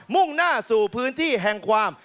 มุ่งหน้าสู่พื้นที่แห่งความ